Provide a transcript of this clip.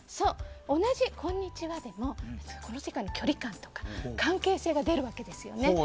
同じ「こんにちは」でもこの世界の距離感とか関係性が出るわけですよね。